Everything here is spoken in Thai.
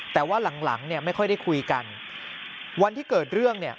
แต่ว่าหลังหลังเนี่ยไม่ค่อยได้คุยกันวันที่เกิดเรื่องเนี่ย